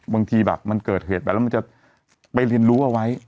บางทีแบบมันเกิดเหตุไปแล้วมันจะไปเรียนรู้เอาไว้